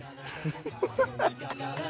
ハハハ。